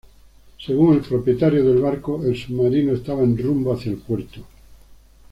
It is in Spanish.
Según el propietario del barco, el submarino estaba en rumbo hacia el puerto.